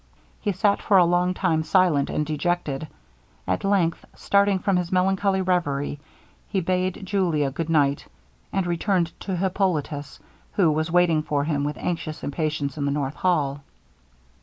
He sat for a long time silent and dejected; at length, starting from his melancholy reverie, he bad Julia good night, and returned to Hippolitus, who was waiting for him with anxious impatience in the north hall.